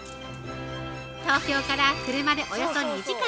◆東京から車でおよそ２時間。